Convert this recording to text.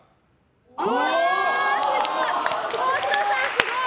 すごい！